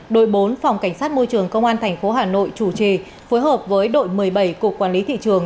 đội bốn phòng cảnh sát môi trường công an tp hà nội chủ trì phối hợp với đội một mươi bảy cục quản lý thị trường